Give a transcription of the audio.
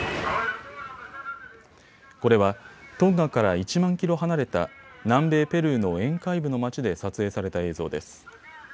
これはトンガから１万キロ離れた南米ペルーの沿海部の町で撮影された映像です。